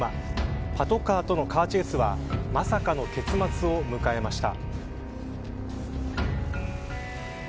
パトカーとのカーチェイスはまさかの結末を迎えました。